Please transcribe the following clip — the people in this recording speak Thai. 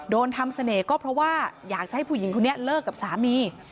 โดนทำเสน่ห์ก็เพราะว่าอยากจะให้ผู้หญิงคนนี้เลิกกับสามี